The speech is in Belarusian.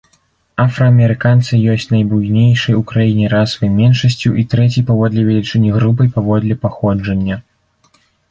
Афраамерыканцы ёсць найбуйнейшай у краіне расавай меншасцю і трэцяй паводле велічыні групай паводле паходжання.